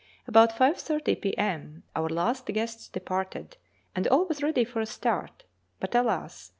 About 5.30 p.m. our last guests departed, and all was ready for a start; but, alas!